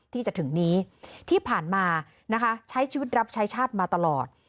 ที่จะถึงนี้ที่ผ่านมานะคะใช้ชีวิตรับใช้ชาติมาตลอด